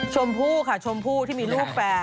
ชมผู้ค่ะชมผู้ที่มีรูปแฟน